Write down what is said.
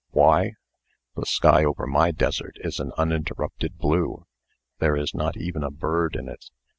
Why? The sky over my desert is an uninterrupted blue. There is not even a bird in it.